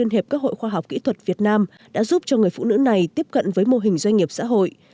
liên hiệp các hội khoa học kỹ thuật việt nam đã giúp cho người phụ nữ này tiếp cận với mô hình doanh nghiệp xã hội